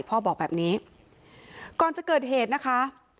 บอกแบบนี้ก่อนจะเกิดเหตุนะคะ